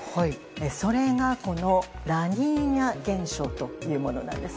それがラニーニャ現象というものです。